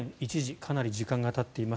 かなり時間がたっています。